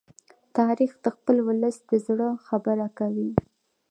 تاریخ د خپل ولس د زړه خبره کوي.